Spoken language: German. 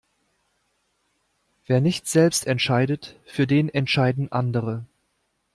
Wer nicht selbst entscheidet, für den entscheiden andere.